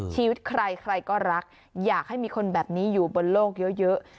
ชีวิตใครใครก็รักอยากให้มีคนแบบนี้อยู่บนโลกเยอะ